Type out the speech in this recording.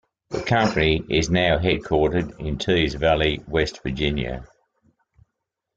The company is now headquartered in Teays Valley, West Virginia.